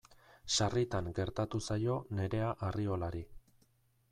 Sarritan gertatu zaio Nerea Arriolari.